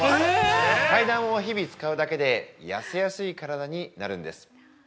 階段を日々使うだけで痩せやすい体になるんです。